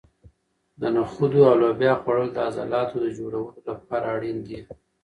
د نخودو او لوبیا خوړل د عضلاتو د جوړولو لپاره اړین دي.